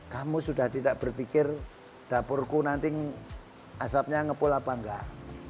kamu sudah tidak berpikir dapurku nanti asapnya ngepul apa enggak